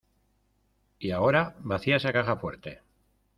Y ahora, vacía esa caja fuerte.